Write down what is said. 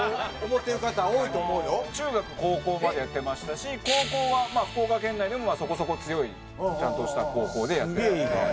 中学高校までやってましたし高校はまあ福岡県内でもそこそこ強いちゃんとした高校でやってたんで。